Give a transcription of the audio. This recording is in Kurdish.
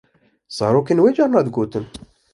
Zarokên wê carna digotin.